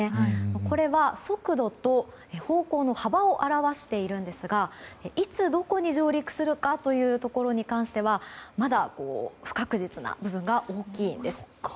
これは、速度と方向の幅を表しているんですがいつ、どこに上陸するかというところに関してはまだ不確実な部分が大きいんです。